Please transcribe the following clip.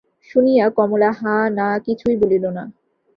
শুনিয়া কমলা হাঁ-না কিছুই বলিল না।